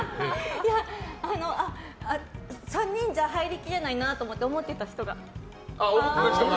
３人じゃ入りきらないなと思って思ってた人が。